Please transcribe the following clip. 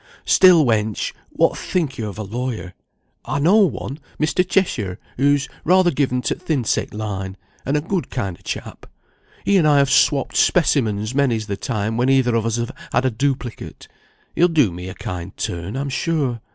Still, wench! what think yo of a lawyer? I know one, Mr. Cheshire, who's rather given to th' insect line and a good kind o' chap. He and I have swopped specimens many's the time, when either of us had a duplicate. He'll do me a kind turn, I'm sure.